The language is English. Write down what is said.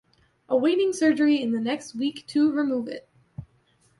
Awaiting surgery in the next week to remove it.